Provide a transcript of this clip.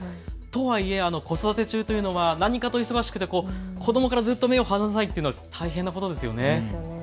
とは言え子育て中というのは何かと忙しくて子どもからずっと目を離さないというのは大変なことですよね。